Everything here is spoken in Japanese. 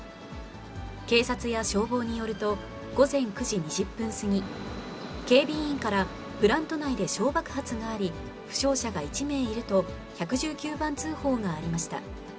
警察や消防によると、午前９時２０分過ぎ、警備員から、プラント内で小爆発があり、負傷者が１名いると、１１９番通報がありました。